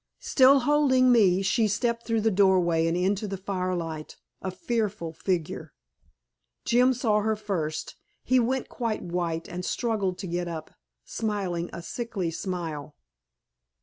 Still holding me, she stepped through the doorway and into the firelight, a fearful figure. Jim saw her first. He went quite white and struggled to get up, smiling a sickly smile.